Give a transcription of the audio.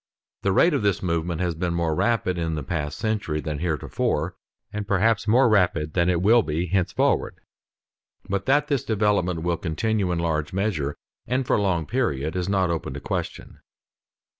The rate of this movement has been more rapid in the past century than theretofore, and perhaps more rapid than it will be henceforward; but that this development will continue in large measure and for a long period, is not open to question.